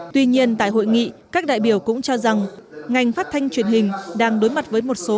tuy nhiên tại hội nghị các đại biểu cũng cho rằng ngành phát thanh truyền hình đang đối mặt với một số